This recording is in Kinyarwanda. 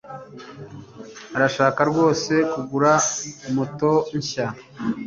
Arashaka rwose kugura moto nshya